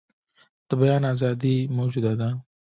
د بیان آزادي موجوده ده.